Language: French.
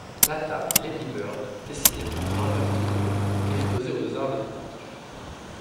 La table Ladybird dessinée par Normal Studio est exposée aux Arts Décoratifs.